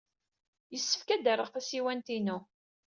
Yessefk ad d-rreɣ tasiwant-inu.